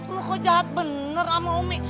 loh kok jahat bener sama umi